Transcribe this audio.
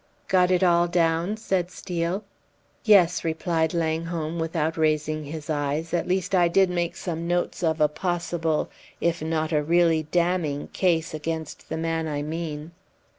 "Got it all down?" said Steel. "Yes," replied Langholm, without raising his eyes; "at least I did make some notes of a possible if not a really damning case against the man I mean."